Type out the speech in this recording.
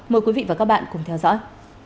mời quý vị và các bạn cùng theo dõi